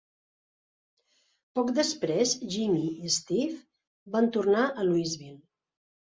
Poc després, Jimmy i Steve van tornar a Louisville.